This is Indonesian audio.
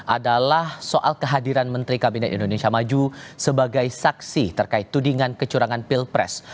adalah soal kehadiran menteri kabinet indonesia maju sebagai saksi terkait tudingan kecurangan pilpres